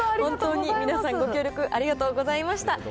本当に皆さん、ご協力ありがとうございました。